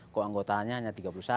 kok anggotanya hanya tiga puluh satu